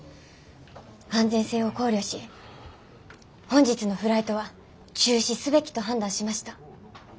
安全性を考慮し本日のフライトは中止すべきと判断しました。